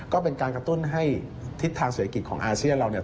ก็เป็นการกระตุ้นให้ทิศทางเศรษฐกิจของอาเซียนเราเนี่ย